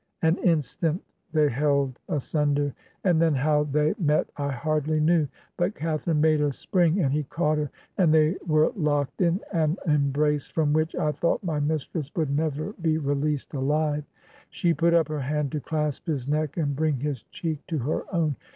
... An instant they held asunder; and then how they met I hardly knew, but Catharine made a spring and he caught her, and they were locked in an embrace from which I thought my mistress would never be released ahve. ... She put up her hand to clasp his neck, and bring his cheek to her own.